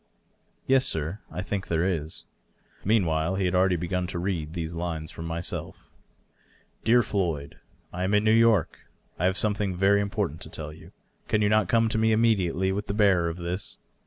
" Yes, sir ; I think there is." Meanwhile he had already b^un to read these lines from myself: " Dear Floyd, — ^I am in New York. I have something very im portant to tell you. Can you not come to me immediately with the bearer of this?